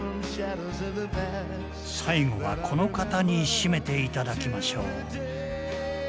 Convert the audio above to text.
最後はこの方に締めて頂きましょう。